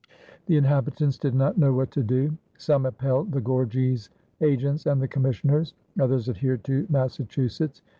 The inhabitants did not know what to do. Some upheld the Gorges agents and the commissioners; others adhered to Massachusetts.